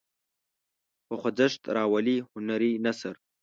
په خوځښت راولي هنري نثر.